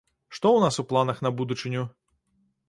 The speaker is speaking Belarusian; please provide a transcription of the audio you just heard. Што ў нас у планах на будучыню?